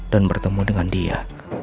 dan bertemu dengan dia